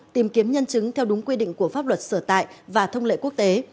tìm kiếm nhân chứng theo đúng quy định của pháp luật sở tại và thông lệ quốc tế